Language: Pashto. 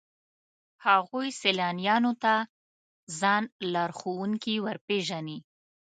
هغوی سیلانیانو ته ځان لارښوونکي ورپېژني.